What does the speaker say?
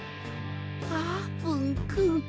あーぷんくん。